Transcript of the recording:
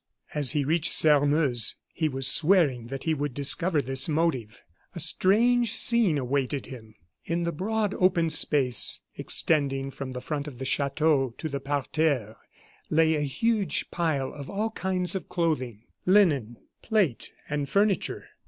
As he reached Sairmeuse, he was swearing that he would discover this motive. A strange scene awaited him. In the broad open space extending from the front of the chateau to the parterre lay a huge pile of all kinds of clothing, linen, plate, and furniture.